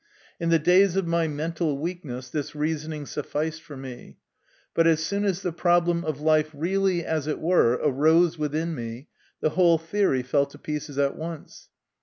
In the days of my mental weakness this reasoning sufficed for me ; but as soon as the problem of life really, as it were, arose within me, the whole theory fell to pieces at once.